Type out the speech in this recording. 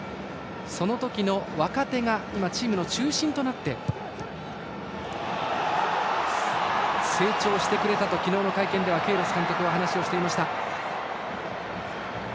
その時の若手が今、チームの中心となって成長してくれたと昨日の会見でケイロス監督は話をしていました。